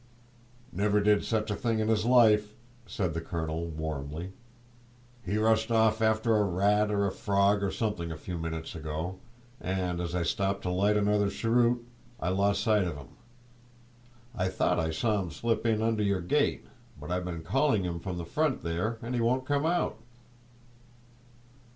"Never did such a thing in his life!" said the colonel, warmly; "he rushed off after a rat or a frog or something a few minutes ago, and as I stopped to light another cheroot I lost sight of him. I thought I saw him slip in under your gate, but I've been calling him from the front there and he won't come out."